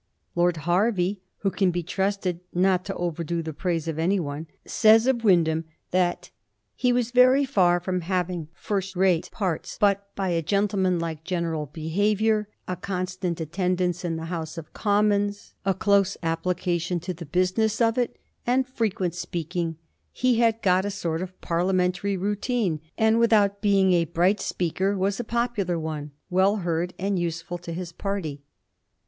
Lord Hervey, who can be trusted not to overdo the praise of any one, says of Wynd ham that * he was very far from having first rate Digiti zed by Google 1728 SIR WILLIAM WYNDHAM. 379 parts, but by a gentleman like general behaviour, a constant attendance in the House of Commons, a close application to the business of it, and frequent speaking, he had got a sort of Parliamentary routine, and without being a bright speaker was a popular one, well heard, and useful to his party.'